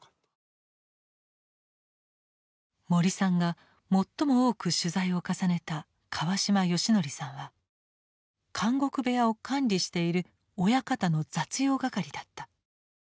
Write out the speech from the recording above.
森さんが最も多く取材を重ねた川島良徳さんは「監獄部屋」を管理している親方の雑用係だった。